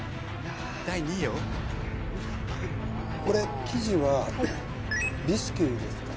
これ生地はビスキュイですか？